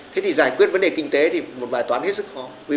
thế thì giải quyết vấn đề kinh tế thì một bài toán hết sức khó